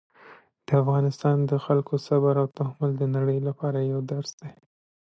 د افغانستان د خلکو صبر او تحمل د نړۍ لپاره یو درس دی.